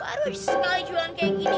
aduh sekali jualan kayak gini